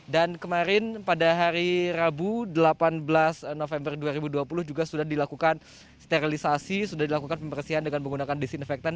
dan kemarin pada hari rabu delapan belas november dua ribu dua puluh juga sudah dilakukan sterilisasi sudah dilakukan pembersihan dengan menggunakan desinfektan